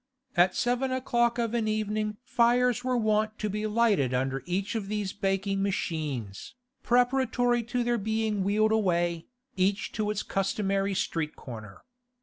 At seven o'clock of an evening fires were wont to be lighted under each of these baking machines, preparatory to their being wheeled away, each to its customary street corner.